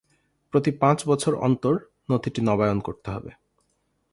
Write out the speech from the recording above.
প্রতি পাঁচ বছর অন্তর নথিটি নবায়ন করতে হবে।